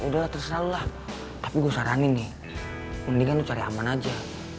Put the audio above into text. udah terserah lah tapi gue saranin nih mendingan cari aman aja